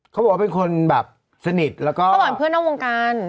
เขาบอกว่าเป็นคนแบบสนิทแล้วก็เขาบอกเป็นเพื่อนนอกวงการ